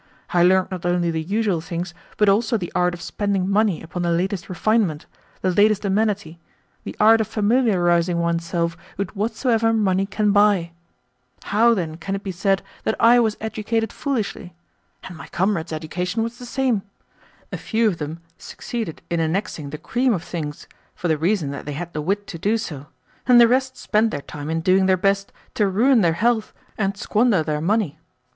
I learnt not only the usual things, but also the art of spending money upon the latest refinement, the latest amenity the art of familiarising oneself with whatsoever money can buy. How, then, can it be said that I was educated foolishly? And my comrades' education was the same. A few of them succeeded in annexing the cream of things, for the reason that they had the wit to do so, and the rest spent their time in doing their best to ruin their health and squander their money.